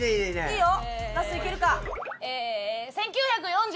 いいよ！